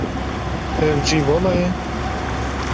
Ev cî vala ye?